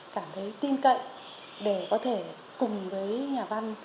cảm thấy tin cậy để có thể cùng với nhà văn